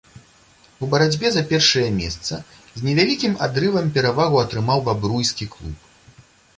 У барацьбе за першае месца з невялікім адрывам перавагу атрымаў бабруйскі клуб.